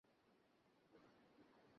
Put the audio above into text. তুমি বলেছিলে দানব।